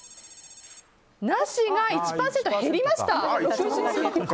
なしが１％減りました。